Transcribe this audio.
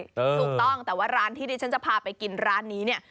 ถูกต้องแต่ว่าร้านที่ดิฉันจะพาไปกินร้านนี้เนี่ย